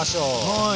はい。